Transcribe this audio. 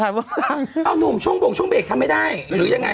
อ๋อถามว่าเอ้าหนุ่มช่วงบงช่วงเบรกทำให้ได้หรือยังไง